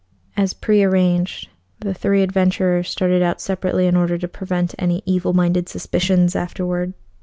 As prearranged, the three adventurers started out separately in order to prevent any evil minded suspicions afterward.